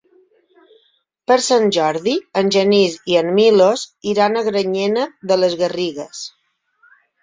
Per Sant Jordi en Genís i en Milos iran a Granyena de les Garrigues.